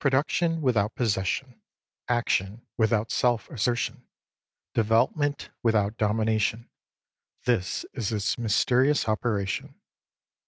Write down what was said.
Production without possession, action without 22 self assertion, development without domination : this is its mysterious operation.